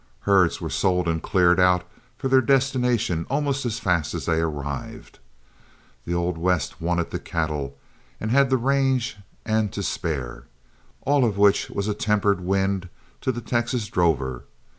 Herds were sold and cleared out for their destination almost as fast as they arrived; the Old West wanted the cattle and had the range and to spare, all of which was a tempered wind to the Texas drover.